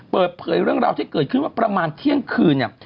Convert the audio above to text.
เปิดเผยเรื่องราวที่เกิดขึ้นว่าประมาณเที่ยงคืนเนี่ย